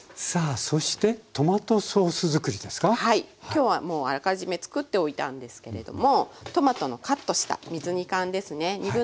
今日はもうあらかじめ作っておいたんですけれどもトマトのカットした水煮缶ですね1/2缶使っています。